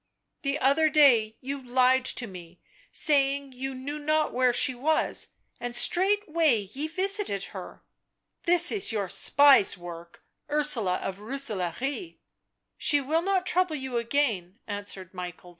" The other day you lied to me, saying you knew not where she was — and straightway ye visited her." " This is your spy's work, Ursula of Rooselaare." " She will not trouble you again," answered Michael II.